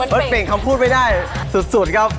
มันเปลี่ยนคำพูดไม่ได้สุดครับ